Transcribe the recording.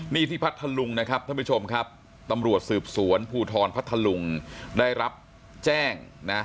นี่ที่พัทธลุงนะครับท่านผู้ชมครับตำรวจสืบสวนภูทรพัทธลุงได้รับแจ้งนะ